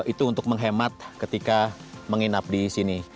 itu untuk menghemat ketika menginap di sini